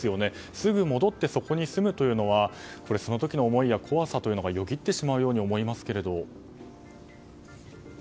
すぐ戻ってそこに住むというのはその時の思いや怖さがよぎってしまうように思いますけれども。